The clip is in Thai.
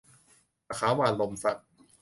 มะขามหวานหล่มสัก